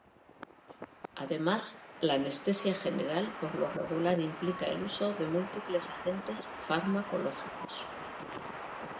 Además, la anestesia general por lo regular implica el uso de múltiples agentes farmacológicos.